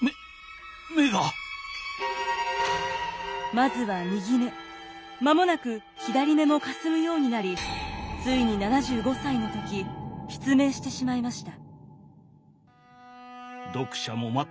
まずは右目間もなく左目もかすむようになりついに７５歳の時失明してしまいました。